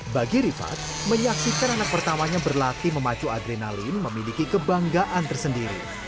bagi rifat menyaksikan anak pertamanya berlatih memacu adrenalin memiliki kebanggaan tersendiri